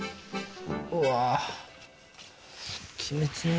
うわ。